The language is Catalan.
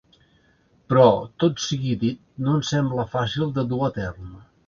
Però, tot sigui dit, no em sembla fàcil de dur a terme.